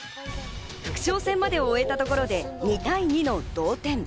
副将戦までを終えたところで２対２の同点。